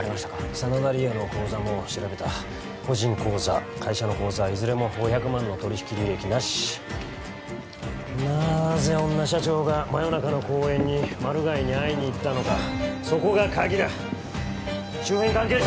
真田梨央の口座も調べた個人口座会社の口座いずれも５００万の取引履歴なしなぜ女社長が真夜中の公園にマル害に会いに行ったのかそこが鍵だ周辺関係者